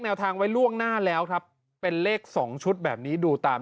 ทางไว้ล่วงหน้าแล้วครับเป็นเลข๒ชุดแบบนี้ดูตาม